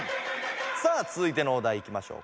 さあつづいてのお題いきましょう。